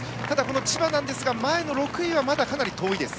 千葉ですが、前の６位はまだかなり遠いです。